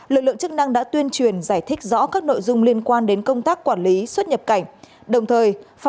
lực lượng chức năng đã tuyên truyền giải thích rõ các nội dung liên quan đến công tác quản lý xuất nhập cảnh